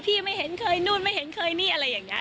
ไม่เห็นเคยนู่นไม่เห็นเคยนี่อะไรอย่างนี้